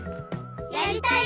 やりたい！